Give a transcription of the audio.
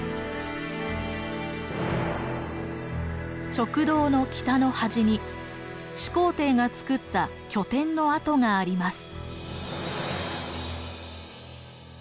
直道の北の端に始皇帝がつくった拠点の跡があります。